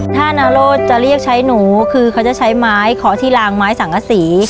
ถ้านาโรธจะเรียกใช้หนูคือเขาจะใช้ไม้เคาะที่ลางไม้สังกษี